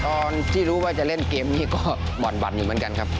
ตอนที่รู้ว่าจะเล่นเกมนี้ก็บ่อนอยู่เหมือนกันครับ